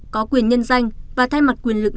có quyền nhân danh và thay mặt quyền lực